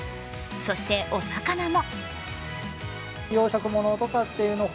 そしてお魚も。